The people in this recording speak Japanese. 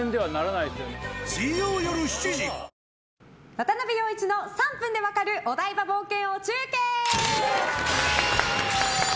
渡部陽一の３分で分かるお台場冒険王中継！